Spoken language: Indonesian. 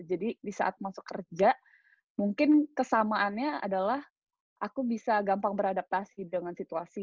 jadi di saat masuk kerja mungkin kesamaannya adalah aku bisa gampang beradaptasi dengan situasi